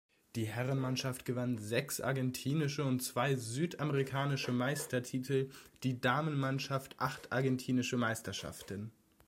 Die Herrenmannschaft gewann sechs argentinische und zwei südamerikanische Meistertitel, die Damenmannschaft acht argentinische Meisterschaften.